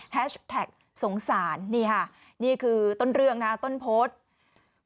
แท็กสงสารนี่ค่ะนี่คือต้นเรื่องนะต้นโพสต์